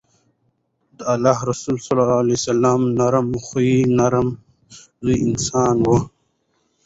د الله رسول صلی الله عليه وسلّم نرم خويه، نرم زړی انسان وو